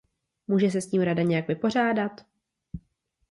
Může se s tím Rada nějak vypořádat?